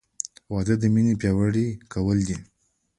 • واده د مینې پیاوړی کول دي.